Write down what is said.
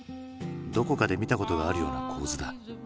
どこかで見たことがあるような構図だ。